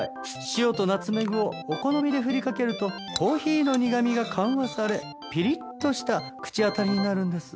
塩とナツメグをお好みで振りかけるとコーヒーの苦みが緩和されピリッとした口当たりになるんです。